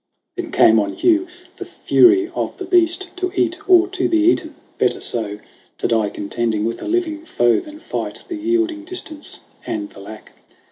Then came on Hugh the fury of the beast To eat or to be eaten ! Better so To die contending with a living foe, Than fight the yielding distance and the lack.